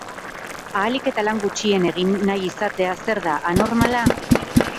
Ahalik eta lan gutxien egin nahi izatea zer da, anormala?